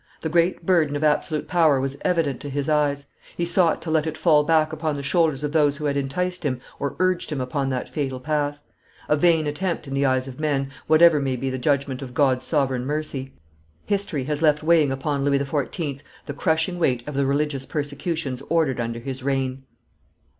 The great burden of absolute power was evident to his eyes; he sought to let it fall back upon the shoulders of those who had enticed him or urged him upon that fatal path. A vain attempt in the eyes of men, whatever may be the judgment of God's sovereign mercy. History has left weighing upon Louis XIV. the crushing weight of the religious persecutions ordered under his reign.